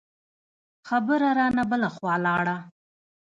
خبره رانه بله خوا لاړه.